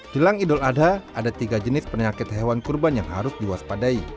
di lang idol adha ada tiga jenis penyakit hewan kurban yang harus diwaspadai